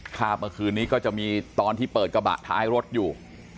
ภาพเมื่อคืนนี้ก็จะมีตอนที่เปิดกระบะท้ายรถอยู่